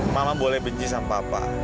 mama boleh benci sama papa